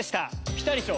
ピタリ賞